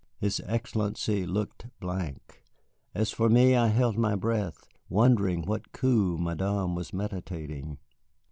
His Excellency looked blank. As for me, I held my breath, wondering what coup Madame was meditating.